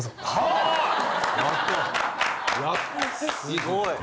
すごい。